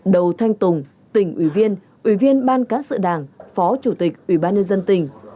đầu thanh tùng tỉnh ủy viên ủy viên ban cán sự đảng phó chủ tịch ủy ban nhân dân tỉnh